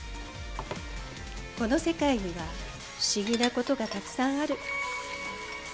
この世界には不思議なことがたくさんある。